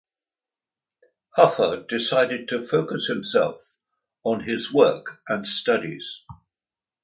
Huffer decided to focus himself on his work and studies.